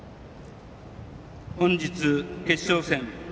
本日、決勝戦。